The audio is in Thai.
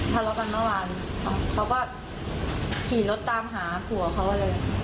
ทารกกันเมื่อวานเขาขี่รถจากตามหาผัวเขาเลย